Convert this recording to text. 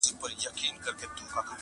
زه د ازل ښکاري خزان پر زړه ویشتلی یمه!.